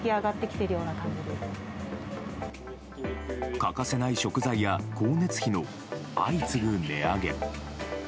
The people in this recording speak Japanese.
欠かせない食材や光熱費の相次ぐ値上げ。